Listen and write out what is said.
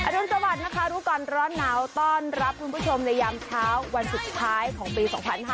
รุนสวัสดิ์นะคะรู้ก่อนร้อนหนาวต้อนรับคุณผู้ชมในยามเช้าวันสุดท้ายของปี๒๕๕๙